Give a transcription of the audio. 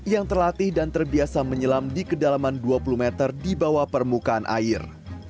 yang terlatih dan terbiasa menyelam di kedalaman dua puluh meter di bawah permukaan air